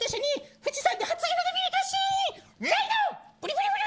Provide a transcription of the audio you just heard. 富士山！